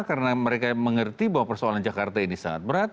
karena mereka mengerti bahwa persoalan jakarta ini sangat berat